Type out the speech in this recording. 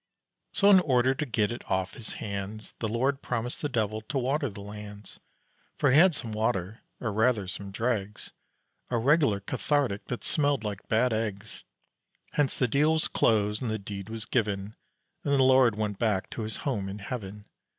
So, in order to get it off his hands, The Lord promised the devil to water the lands; For he had some water, or rather some dregs, A regular cathartic that smelled like bad eggs. Hence the deal was closed and the deed was given And the Lord went back to his home in heaven.